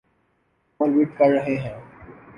اور ورد کر رہے ہیں۔